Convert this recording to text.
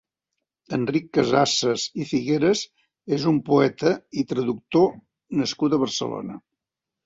Enric Casasses i Figueres és un poeta i traductor nascut a Barcelona.